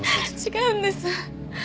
違うんです。